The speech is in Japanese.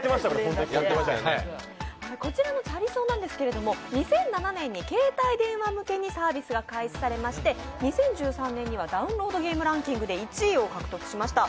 こちらのチャリ走なんですけれども２００７年に携帯電話向けにサービスが開始されまして２０１３年にはダウンロードゲームランキングで１位を獲得しました。